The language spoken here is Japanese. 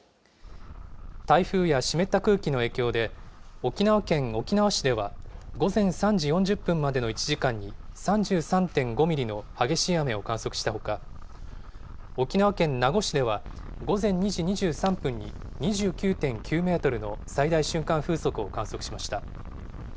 台風や湿った空気の影響で、沖縄県沖縄市では、午前３時４０分までの１時間に３３．５ミリの激しい雨を観測したほか、沖縄県名護市では午前２時２３分に２９．９メートルの最大瞬間風速を観測しました。